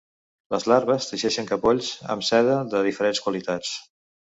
Les larves teixeixen capolls amb seda de diferents qualitats.